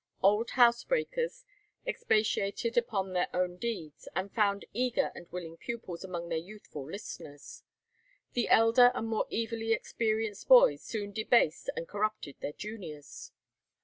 Old house breakers expatiated upon their own deeds, and found eager and willing pupils among their youthful listeners. The elder and more evilly experienced boys soon debased and corrupted their juniors.